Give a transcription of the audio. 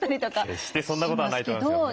決してそんなことはないと思いますけど。